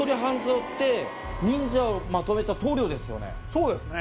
そうですね。